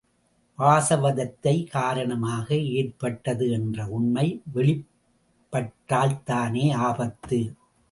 வாசவதத்தை காரணமாக ஏற்பட்டது என்ற உண்மை வெளிப்பட்டால்தானே ஆபத்து?